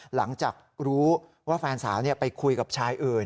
หลังจากรู้ว่าแฟนสาวไปคุยกับชายอื่น